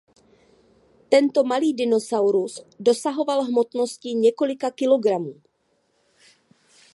Tento malý dinosaurus dosahoval hmotnosti několika kilogramů.